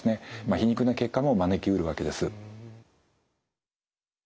皮肉な結果も招きうるわけです。